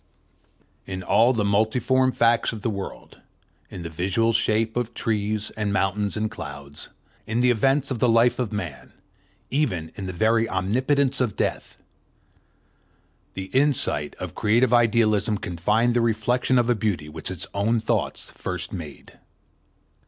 In all the multiform facts of the world—in the visual shapes of trees and mountains and clouds, in the events of the life of man, even in the very omnipotence of Death—the insight of creative idealism can find the reflection of a beauty which its own thoughts first made.